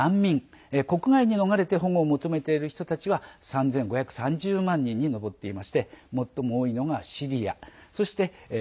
このうち、難民国外に逃れて保護を求めている人たちは３５３０万人に上っていまして最も多いのがシリア。